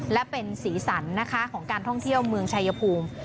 และเป็นสีสันนะคะของการท่องเที่ยวเมืองชายภูมิ